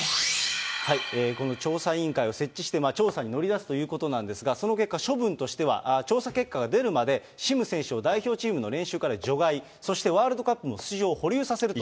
この調査委員会を設置して調査に乗り出すということなんですが、その結果、処分としては、調査結果が出るまでシム選手を代表チームの練習から除外、そしてワールドカップも出場保留させると。